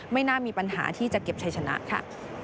ไม่น่ามีปัญหาที่จะเก็บชัยชนะค่ะ